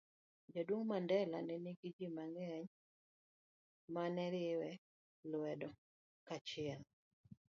Jaduong' Mandela ne nigi ji mang'eny ma ne riwe lwedo kaachiel